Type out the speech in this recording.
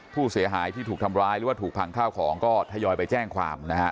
ผู้เสียหายที่ถูกทำร้ายหรือว่าถูกพังข้าวของก็ทยอยไปแจ้งความนะฮะ